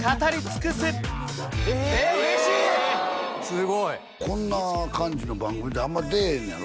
すごいこんな感じの番組ってあんま出えへんのやろ？